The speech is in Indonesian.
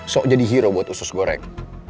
sok jadi hero buat usus goreng